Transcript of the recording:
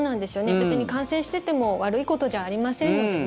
別に感染してても悪いことじゃありませんもんね。